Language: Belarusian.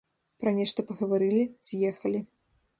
Пра нешта пагаварылі, з'ехалі.